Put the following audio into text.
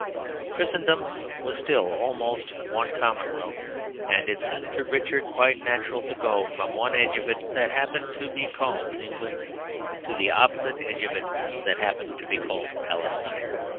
Christendom was still almost one commonwealth; and it seemed to Richard quite natural to go from one edge of it that happened to be called England to the opposite edge of it that happened to be called Palestine.